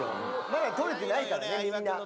まだ取れてないからね。